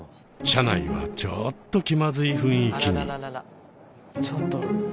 車内はちょっと気まずい雰囲気に。